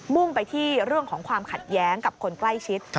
่งไปที่เรื่องของความขัดแย้งกับคนใกล้ชิด